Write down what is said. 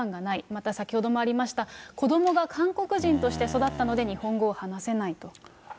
また先ほどもありました、子どもが韓国人として育ったので、日本語を話せないと。